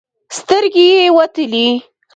سترګې يې وتلې.